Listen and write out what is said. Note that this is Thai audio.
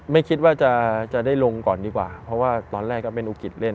ไม่คิดว่าจะได้ลงก่อนดีกว่าเพราะว่าตอนแรกก็เป็นอุกิจเล่น